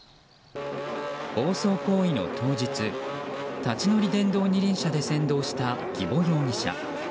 暴走行為の当日立ち乗り電動２輪車で先導した儀保容疑者。